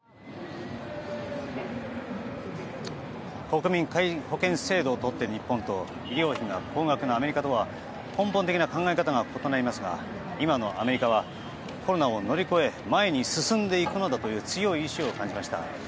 国民皆保険制度を取っている日本と医療費が高額なアメリカとは根本的な考え方が異なりますが今のアメリカはコロナを乗り越え前に進んでいくのだという強い意志を感じました。